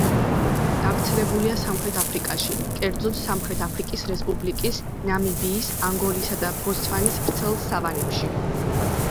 გავრცელებულია სამხრეთ აფრიკაში, კერძოდ: სამხრეთ აფრიკის რესპუბლიკის, ნამიბიის, ანგოლისა და ბოტსვანის ვრცელ სავანებში.